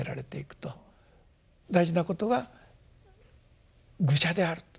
大事なことは愚者であると。